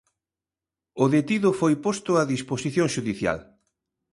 O detido foi posto a disposición xudicial.